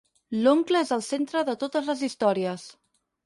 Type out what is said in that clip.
L'oncle és el centre de totes les històries.